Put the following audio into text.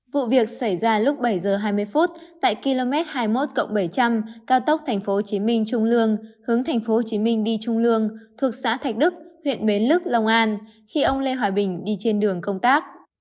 vụ việc xảy ra lúc bảy h hai mươi phút tại km hai mươi một bảy trăm linh cao tốc tp hcm trung lương hướng tp hcm đi trung lương thuộc xã thạch đức huyện bến lức long an khi ông lê hoài bình đi trên đường công tác